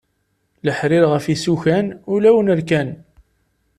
Leḥrir ɣef isukan ulawen rkan.